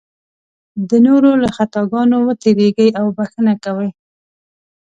د نورو له خطاګانو ورتېرېږي او بښنه کوي.